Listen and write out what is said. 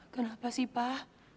kenapa sih pak